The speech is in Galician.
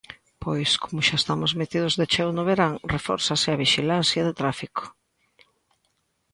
Pois como xa estamos metidos de cheo no verán, refórzase a vixilancia de tráfico.